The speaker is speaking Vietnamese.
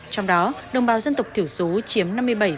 trong đó đồng bào dân tộc thiểu số chiếm năm mươi bảy một mươi bảy